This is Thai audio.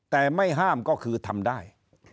แต่ไม่ห้ามก็คือทำได้